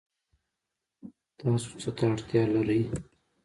تاسو څه ته اړتیا لرئ؟